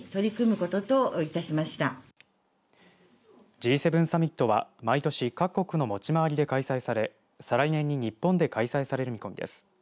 Ｇ７サミットは毎年各国の持ち回りで開催され再来年に日本で開催される見込みです。